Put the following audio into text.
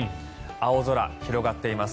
青空、広がっています。